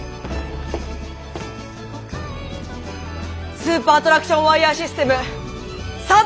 スーパートラクションワイヤーシステム作動！